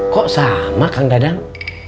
kok sama kang dadang